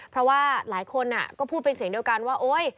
เพราะว่าหลายคนก็พูดเป็นเสียงเดียวกันว่าโอ๊ย